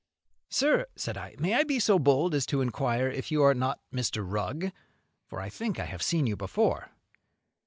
"Sir," said I, "may I be so bold as to inquire if you are not Mr. Rugg? for I think I have seen you before."